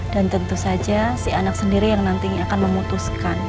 tentu saja si anak sendiri yang nantinya akan memutuskan